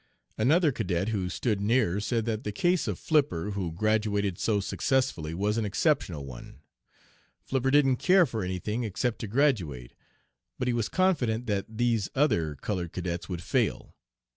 Another cadet who stood near said that the case of Flipper, who graduated so successfully, was an exceptional one. Flipper didn't care for any thing except to graduate, but he was confident that these other colored cadets would fail.